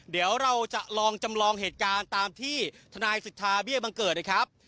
เดี๋ยวเราจะลองจำลองเหตุการณ์ตามที่ทนายสิทธาเบี้ยบังเกิดนะครับ